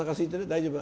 大丈夫？